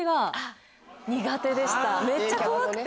めっちゃ怖くて。